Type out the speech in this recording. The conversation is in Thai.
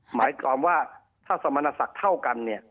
หมายความว่าถ้าสมณศักดิ์เท่ากันเนี่ย